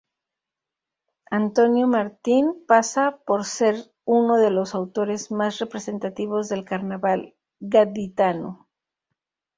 Antonio Martín pasa por ser uno de los autores más representativos del carnaval gaditano.